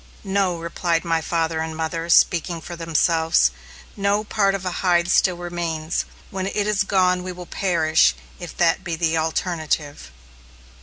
"No," replied father and mother, speaking for themselves. "No, part of a hide still remains. When it is gone we will perish, if that be the alternative."